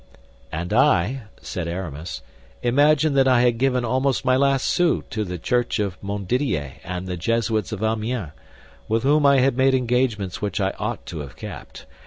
"And I," said Aramis, "imagined that I had given almost my last sou to the church of Montdidier and the Jesuits of Amiens, with whom I had made engagements which I ought to have kept.